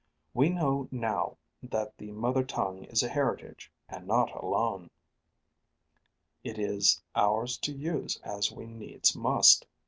We know now that the mother tongue is a heritage and not a loan. It is ours to use as we needs must.